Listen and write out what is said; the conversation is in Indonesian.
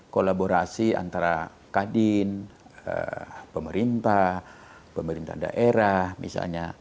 kolaborasi antara kadin pemerintah pemerintah daerah misalnya